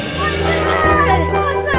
ya allah ya allah